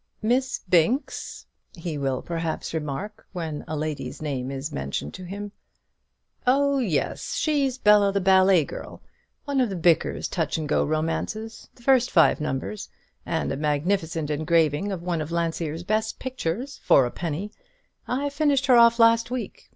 "Miss Binks?" he will perhaps remark, when a lady's name is mentioned to him; "oh yes: she's Bella the Ballet Girl (one of Bickers's touch and go romances; the first five numbers, and a magnificent engraving of one of Landseer's best pictures, for a penny); I finished her off last week.